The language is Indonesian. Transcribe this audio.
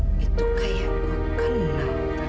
masih banyak masa